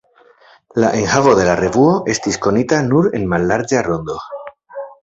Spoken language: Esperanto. La enhavo de la revuo estis konita nur en mallarĝa rondo.